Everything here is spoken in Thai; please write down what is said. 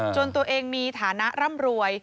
จนตัวเองมีฐานะร่ำรวย